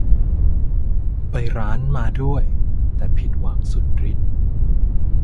ไปร้าน มาด้วย แต่ผิดหวังสุดฤทธิ์